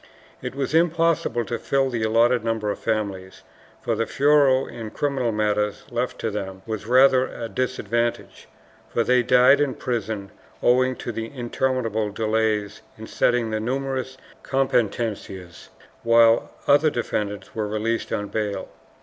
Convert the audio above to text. It was impossible to fill the allotted number of familiars, for the fuero in criminal matters left to them was rather a dis advantage, for they died in prison owing to the interminable delays in settling the numerous competencias, while other defend ants were released on bail.